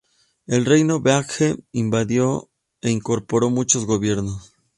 El reino Baekje invadió e incorporó muchos gobiernos.